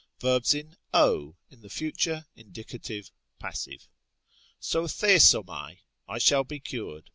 Verbs in @, in the future, indicative, passive. | σωθήσομαι," I shall be cured.